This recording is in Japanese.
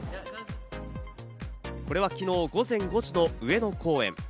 これは昨日午前５時の上野公園。